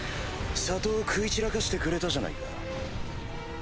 里を食い散らかしてくれたじゃないか。